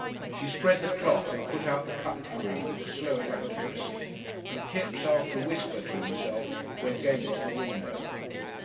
She spread the cloth and put out the cutlery with a slow inaccuracy, and Kipps, after a whisper to himself, went again to the window.